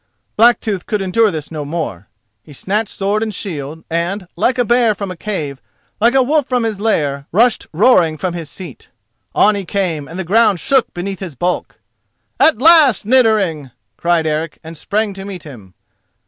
Blacktooth could endure this no more. He snatched sword and shield, and, like a bear from a cave, like a wolf from his lair, rushed roaring from his seat. On he came, and the ground shook beneath his bulk. "At last, Niddering!" cried Eric, and sprang to meet him.